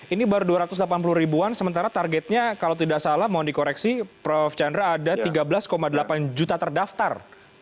ini baru dua ratus delapan puluh ribuan sementara targetnya kalau tidak salah mohon dikoreksi prof chandra ada tiga belas delapan juta terdaftar